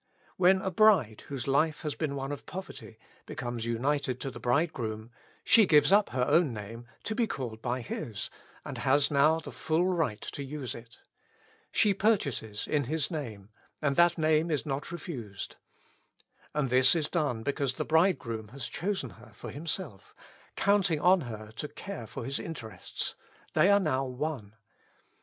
When a bride whose life has been one of poverty, becomes united to the bride groom, she gives up her own name, to be called by his, and has now the full right to use it. She pur chases in his name, and that name is not refused. And this is done because the bridegroom has chosen her for himself, counting on her to care for his inte rests; they are now one.